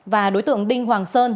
và đối tượng đinh hoàng sơn